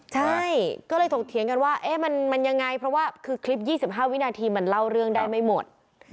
ใช่ก็เลยถกเถียงกันว่ามันยังไงเพราะว่าคือคลิป๒๕วินาทีมันเล่าเรื่องได้ไม่หมด